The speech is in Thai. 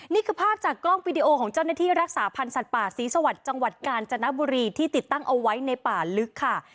นี่คือภาพจากกล้องวิดีโอของเจ้าหน้าที่รักษาพันธ์สัตว์ป่าศรีสวรรค์จังหวัดกาญจนบุรีที่ติดตั้งเอาไว้ในป่าลึกค่ะ